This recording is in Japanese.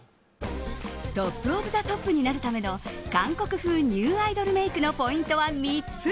トップ・オブ・ザ・トップになるための韓国風ＮＥＷアイドルのポイントは３つ。